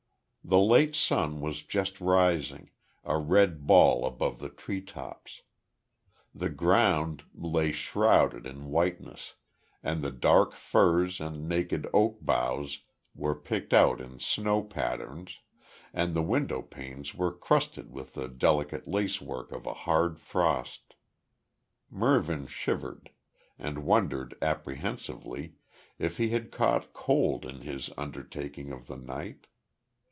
The late sun was just rising, a red ball above the tree tops. The ground lay shrouded in whiteness, and the dark firs and naked oak boughs were picked out in snow patterns, and the window panes were crusted with the delicate lacework of a hard frost. Mervyn shivered, and wondered apprehensively if he had caught cold in his undertaking of the night.